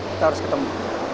kita harus ketemu